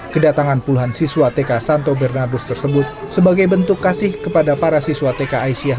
kedatangan puluhan siswa tk santo bernardus tersebut sebagai bentuk kasih kepada para siswa tk aisyah